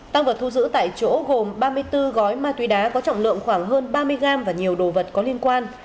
tăng vật thu giữ tại chỗ gồm ba mươi bốn gói ma túy đá có trọng lượng khoảng hơn ba mươi gram và nhiều đồ vật có liên quan